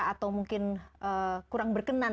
atau mungkin kurang berkenan